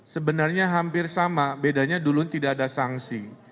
sebenarnya hampir sama bedanya dulu tidak ada sanksi